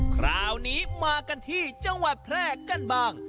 คราวนี้มากันที่จังหวัดแพร่กันบ้าง